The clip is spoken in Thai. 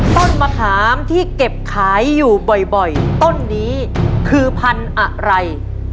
ต้นมะขามที่เก็บขายอยู่บ่อยต้นนี้คือพันธุ์อะไร